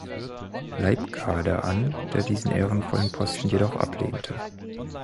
Leibgarde an, der diesen ehrenvollen Posten jedoch ablehnte.